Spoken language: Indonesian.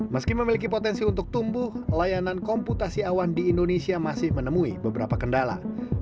meski memiliki potensi untuk tumbuh layanan komputasi awan di indonesia masih menemui beberapa kendala